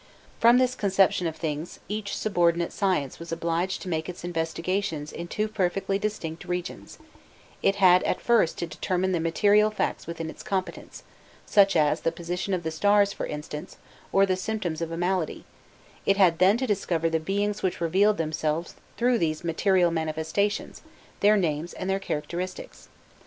From this conception of things each subordinate science was obliged to make its investigations in two perfectly distinct regions: it had at first to determine the material facts within its competence such as the position of the stars, for instance, or the symptoms of a malady; it had then to discover the beings which revealed themselves through these material manifestations, their names and their characteristics.